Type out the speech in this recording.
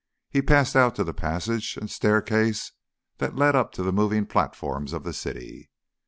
He passed out to the passage and staircase that led up to the moving platforms of the city.